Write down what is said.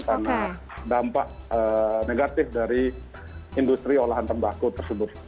karena dampak negatif dari industri olahan tembakau tersebut